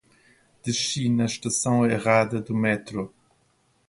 Desci na estação errada do metrô.